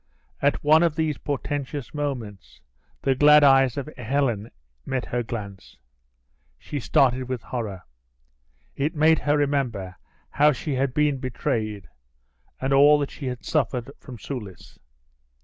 At one of these portentous moments, the glad eyes of Helen met her glance. She started with horror. It made her remember how she had been betrayed, and all that she had suffered from Soulis.